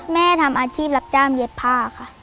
แม่ทำอาชีพรับจ้างเย็บผ้าค่ะ